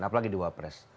apalagi di wapres